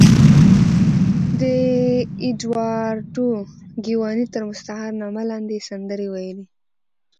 د اېډوارډو ګیواني تر مستعار نامه لاندې یې سندرې ویلې.